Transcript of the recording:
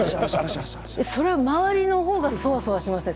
それは周りのほうがそわそわしますよね。